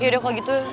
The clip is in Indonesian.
yaudah kalau gitu